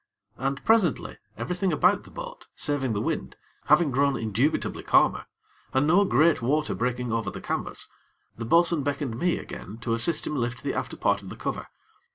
And, presently, everything about the boat, saving the wind, having grown indubitably calmer, and no great water breaking over the canvas, the bo'sun beckoned me again to assist him lift the after part of the cover.